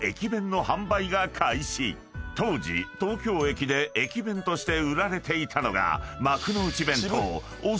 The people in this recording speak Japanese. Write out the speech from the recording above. ［当時東京駅で駅弁として売られていたのが］